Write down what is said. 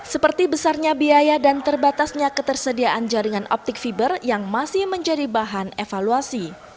seperti besarnya biaya dan terbatasnya ketersediaan jaringan optik fiber yang masih menjadi bahan evaluasi